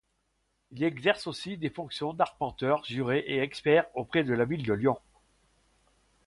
Il exerce aussi des fonctions d'arpenteur-juré et expert auprès de la ville de Lyon.